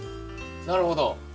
なるほど。